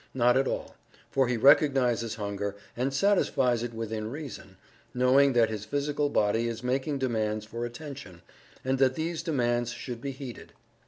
Not at all, for he recognizes hunger, and satisfies it within reason, knowing that his physical body is making demands for attention, and that these demands should be heeded.